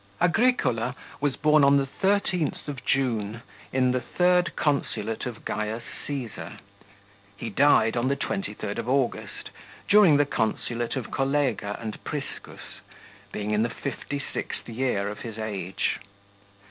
44 Agricola was born on the 13th of June, in the third consulate of Caius Caesar; he died on the 23rd of August, during the consulate of Collega and Priscus, being in the fifty sixth year of his age.